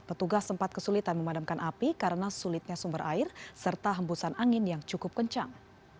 petugas sempat kesulitan memadamkan api karena sulitnya sumber air serta hembusan angin yang cukup kencang